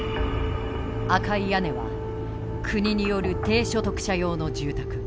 赤い屋根は国による低所得者用の住宅。